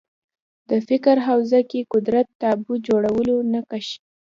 د فکر حوزه کې قدرت تابو جوړولو نقش